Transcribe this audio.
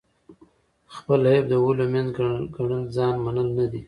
خپل عیب د ولیو منځ ګڼل ځان منل نه دي.